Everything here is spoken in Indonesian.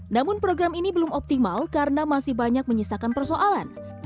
namun program ini belum optimal karena masih banyak menyisakan persoalan